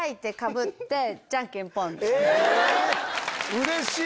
うれしい！